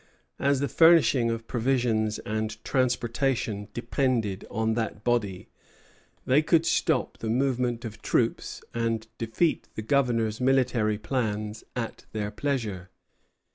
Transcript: As the furnishing of provisions and transportation depended on that body, they could stop the movement of troops and defeat the Governor's military plans at their pleasure.